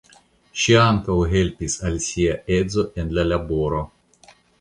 Ŝi ankaŭ helpis al sia edzo en la laboro.